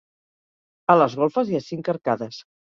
A les golfes hi ha cinc arcades.